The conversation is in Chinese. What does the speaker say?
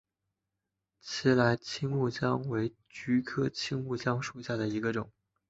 奇莱青木香为菊科青木香属下的一个种。